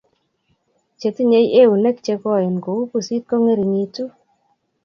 Che tinyei eunek che koen kou pusit kongeringitu